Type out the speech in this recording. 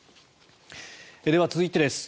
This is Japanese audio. では、続いてです。